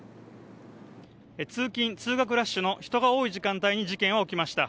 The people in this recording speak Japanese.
通勤・通学ラッシュの人が多い時間帯に事件は起きました。